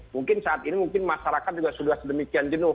mungkin saat ini masyarakat sudah sedemikian jenuh